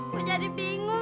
gue jadi bingung